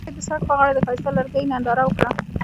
هغوی د سړک پر غاړه د ښایسته لرګی ننداره وکړه.